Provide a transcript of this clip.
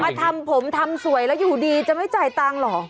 ทำผมทำสวยแล้วอยู่ดีจะไม่จ่ายตังค์เหรอ